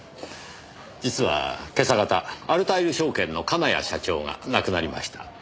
実は今朝方アルタイル証券の金谷社長が亡くなりました。